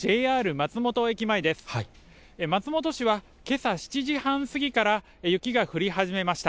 松本市はけさ７時半過ぎから雪が降り始めました。